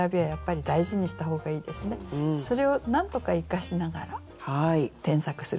それをなんとか生かしながら添削するといいと思います。